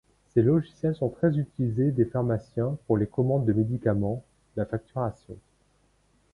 Ces logiciels sont très utilisés des pharmaciens pour les commandes de médicaments, la facturation.